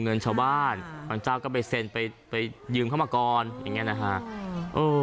เงินชาวบ้านการเจ้าก็ไปเซ็นไปยืมพรรมากรก็แบบนี้